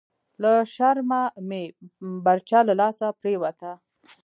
لهٔ شرمه مې برچه لهٔ لاسه پریوته… »